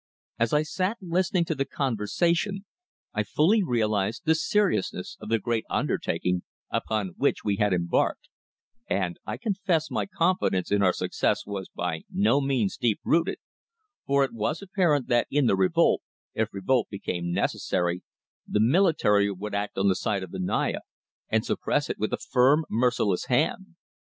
As I sat listening to the conversation I fully realised the seriousness of the great undertaking upon which we had embarked, and I confess my confidence in our success was by no means deep rooted, for it was apparent that in the revolt, if revolt became necessary, the military would act on the side of the Naya and suppress it with a firm, merciless hand.